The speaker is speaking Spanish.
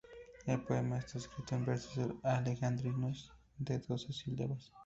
El poema está escrito en versos alejandrinos de doce sílabas.